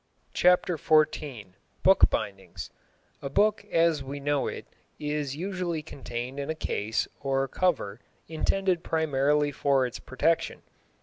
CHAPTER XIV BOOK BINDINGS A book as we know it is usually contained in a case or cover intended primarily for its protection.